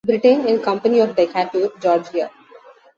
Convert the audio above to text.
Brittain and Company of Decatur, Georgia.